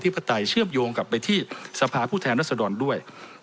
ทางประชาธิปไตยเชื่อมโยงกลับไปที่สภาพูดแทนรัศดรรย์ด้วย